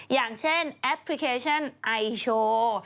อย่างเช่นแอปพลิเคชันไอโชว์